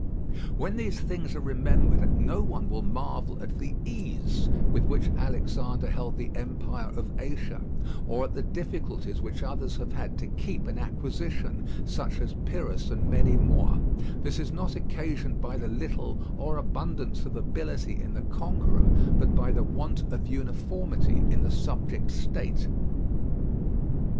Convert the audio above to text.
When these things are remembered no one will marvel at the ease with which Alexander held the Empire of Asia, or at the difficulties which others have had to keep an acquisition, such as Pyrrhus and many more; this is not occasioned by the little or abundance of ability in the conqueror, but by the want of uniformity in the subject state.